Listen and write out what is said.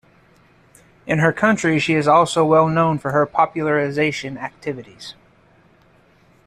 In her country she is also well known for her popularization activities.